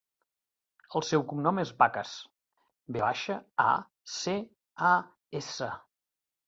El seu cognom és Vacas: ve baixa, a, ce, a, essa.